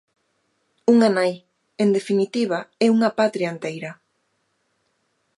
Unha nai, en definitiva, é unha patria enteira.